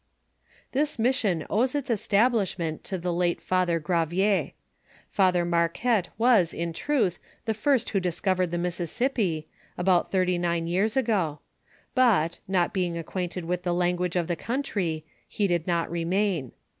"This mission owes its establishment to the late Father Qravier. Father Marquette was, in truth, the first who discovered the Missisipi, about thirty nine years ago ; but^ not being acquainted with tho language of the country, he did not remain.